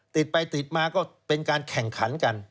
ติดไปติดมาก็เป็นการแข่งขันกัน